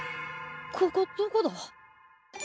ここどこだ？